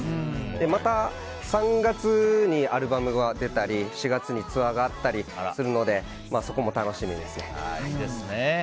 また３月にアルバムが出たり４月にツアーがあったりするのでそこも楽しみですね。